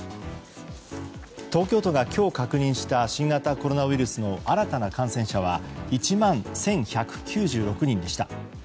東京都が今日確認した新型コロナウイルスの新たな感染者は１万１１９６人でした。